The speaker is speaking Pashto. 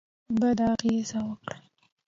بده اغېزه وکړه.